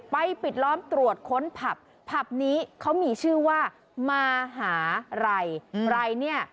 ปิดล้อมตรวจค้นผับผับนี้เขามีชื่อว่ามหาไรใครเนี่ย